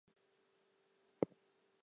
They looked into each other’s eyes, laughing.